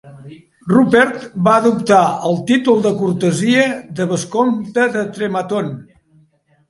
Rupert va adoptar el títol de cortesia de Bescompte de Trematon.